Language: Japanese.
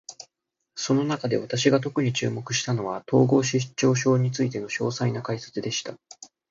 その中で、私が特に注目したのは、統合失調症についての詳細な解説でした。